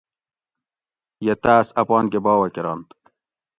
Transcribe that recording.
یہ تاۤس اپانکہ باوہ کرنت